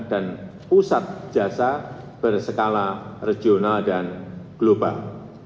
dan pusat jasa berskala regional dan global